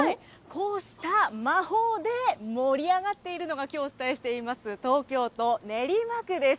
こうした魔法で盛り上がっているのが、きょうお伝えしています、東京都練馬区です。